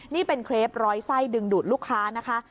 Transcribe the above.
นี่เป็นเครปร้อยไส้ดึงดูดลูกค้านะคะ